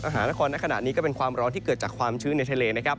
หานครในขณะนี้ก็เป็นความร้อนที่เกิดจากความชื้นในทะเลนะครับ